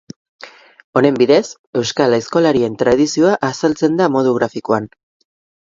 Honen bidez, euskal aizkolarien tradizioa azaltzen da modu grafikoan.